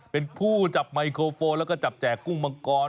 เป็นผู้จับไมโครโฟนแล้วก็จับแจกกุ้งมังกร